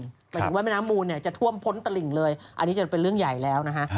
หมายถึงว่าแม่น้ำมูลเนี่ยจะท่วมพ้นตลิ่งเลยอันนี้จะเป็นเรื่องใหญ่แล้วนะฮะ